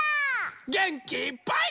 げんきいっぱい。